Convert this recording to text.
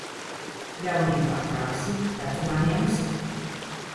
Jaunībā krāsi, vecumā ņemsi.